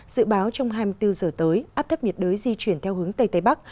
dự báo trong hai mươi bốn giờ tới áp thấp nhiệt đới di chuyển theo hướng tây tây bắc